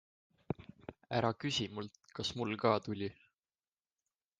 Ära küsi mult, kas mul ka tuli.